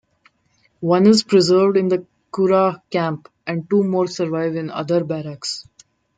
One is preserved in the Curragh Camp and two more survive in other barracks.